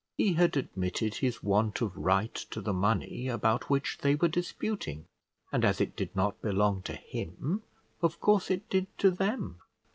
He had admitted his want of right to the money about which they were disputing; and as it did not belong to him, of course, it did to them.